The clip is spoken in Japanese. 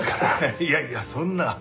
いやいやそんな。